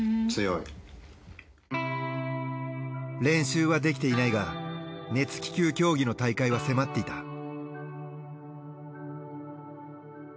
練習はできていないが熱気球競技の大会は迫っていた。